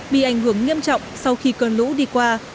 bị ảnh hưởng nghiêm trọng sau khi cơn lũ đi qua